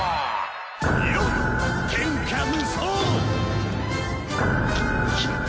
「よっ！